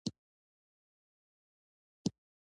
بيا د نورستان اطلاعاتو او فرهنګ رياست ته لاړم.